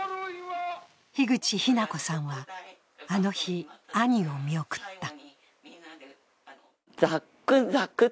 樋口日奈子さんは、あの日、兄を見送った。